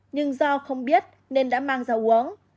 nhưng do không biết nên đã mang ra uống